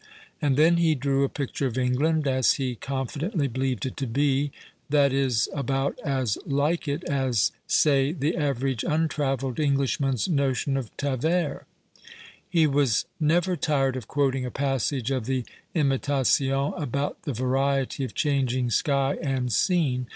And then he drew a picture of England, as he confidciilly believed it to be, that is about as " like it " as, say, 2.'53 PASTICHE AND PREJUDICE the average untra veiled Englishman" s notion of Tavers. He was never tired of quoting a passage of the " Imitation '" about the variety of changing sky and scene.